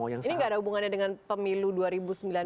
ini gak ada hubungannya dengan pemilu dua ribu sembilan belas